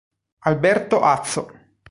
Alberto Azzo